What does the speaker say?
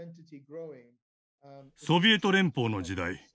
ソビエト連邦の時代